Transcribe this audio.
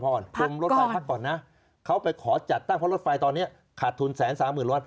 พักก่อนคุมรถไฟพักก่อนนะเขาไปขอจัดตั้งเพราะรถไฟตอนนี้ขาดทุน๑๓๐๐๐๐ล้านบาท